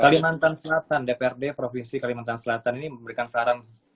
kalimantan selatan dprd provinsi kalimantan selatan ini memberikan saran